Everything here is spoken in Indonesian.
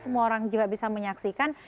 semua orang juga bisa menyaksikan